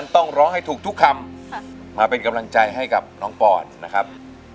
ต้องร้องให้ถูกทุกคำมาเป็นกำลังใจให้กับน้องปอนนะครับ